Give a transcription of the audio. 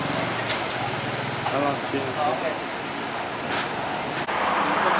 หลังสามกวนหลังสามกวนเขาไม่ได้หรอก